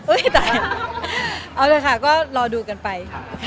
เอาละค่ะก็รอดูกันไป